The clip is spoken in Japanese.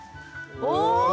お！